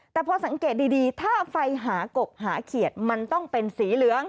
แต่พอสังเกตดีถ้าไฟหากบหาเขียดมันต้องเป็นสีเหลือง